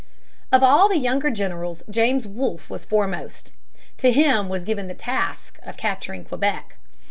Of all the younger generals James Wolfe was foremost. To him was given the task of capturing Quebec.